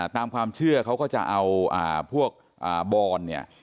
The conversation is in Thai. ตามความเชื่อเขาก็จะเอาพวกบอนเนี่ย